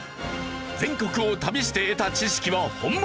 全国を旅して得た知識は本物！